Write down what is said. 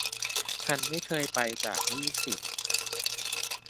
ฉันไม่เคยไปจากยี่สิบ